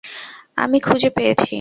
আমি খুজে পেয়েছি!